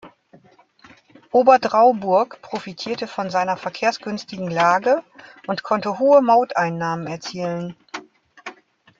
Oberdrauburg profitierte von seiner verkehrsgünstigen Lage und konnte hohe Mauteinnahmen erzielen.